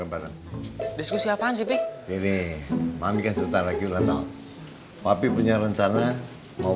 diskusi diskusi apaan sih ini mami kan sebetulnya gila tau tapi punya rencana mau